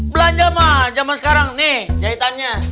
belanja mah zaman sekarang nih jahitannya